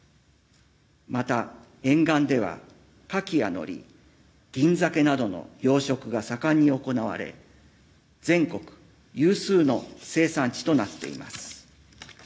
また、沿岸ではカキやノリギンザケなどの養殖が盛んに行われ全国有数の生産地となっています。